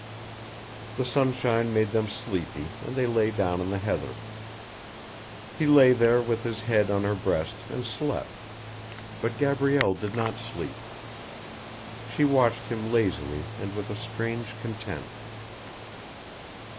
The sunshine made them sleepy and they lay down in the heather. He lay there with his head on her breast and slept. But Gabrielle did not sleep. She watched him lazily and with a strange content.